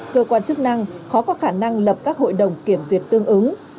cơ quan chức năng khó có khả năng lập các hội đồng kiểm duyệt tương ứng